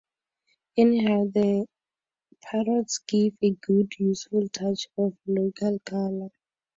Anyhow, the parrots give a good useful touch of local colour.